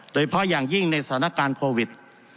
โดยเฉพาะอย่างยิ่งในสถานการณ์โควิด